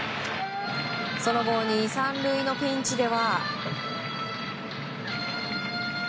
その後２、３塁のピンチでは。